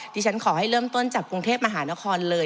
ที่ฉันขอให้เริ่มต้นจากกรุงเทพมหานครเลย